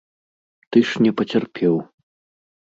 Ты ж не пацярпеў.